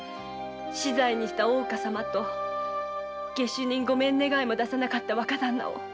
死罪にした大岡様と下手人「御免願い」も出さなかった若ダンナを。